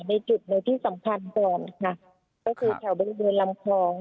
ในจุดในที่สำคัญก่อนค่ะก็คือแถวบริเวณลำคลอง